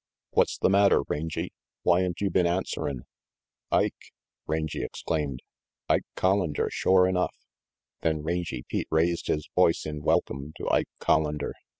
"What's the matter, Rangy? Whyn't you been answerin'?" "Ike!" Rangy exclaimed. "Ike Collander shore enough!" Then Rangy Pete raised his voice in welcome to Ike Collander.